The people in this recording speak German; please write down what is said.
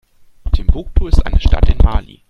Timbuktu ist eine Stadt in Mali.